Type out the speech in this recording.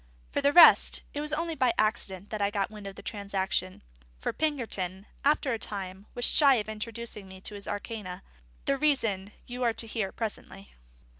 For the rest, it was only by accident I got wind of the transaction; for Pinkerton, after a time, was shy of introducing me to his arcana: the reason you are to hear presently.